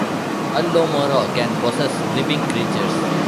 All loumara can possess living creatures.